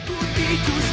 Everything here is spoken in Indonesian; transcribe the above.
ini serbu bos